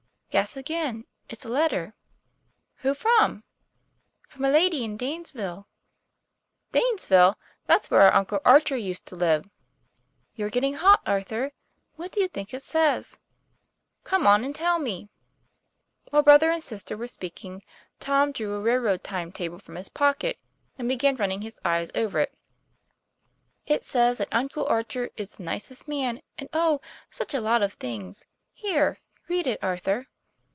"Guess again. It's a letter." "Who from?" "From a lady in Danesville. " "Danesville! That's where our uncle Archer used to live." ' You're getting hot, Arthur. What do you think it says ?";< Come on and tell me." While brother and sister were speaking, Tom drew a railroad time table from his pocket, and began running his eye over it. '* It says that Uncle Archer is the nicest man, and oh, such a lot of things. Here, read it, Arthur."